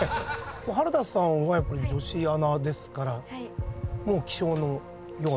原田さんはやっぱり女子アナですから気象のような。